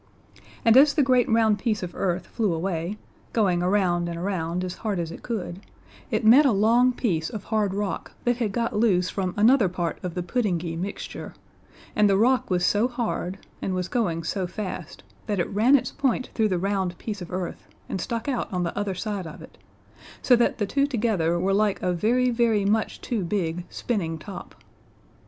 And as the great round piece of earth flew away, going around and around as hard as it could, it met a long piece of hard rock that had got loose from another part of the puddingy mixture, and the rock was so hard, and was going so fast, that it ran its point through the round piece of earth and stuck out on the other side of it, so that the two together were like a very very much too big spinning top.